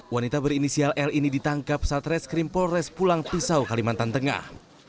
wanita berinisial l ini ditangkap saat reskrim polres pulang pisau kalimantan tengah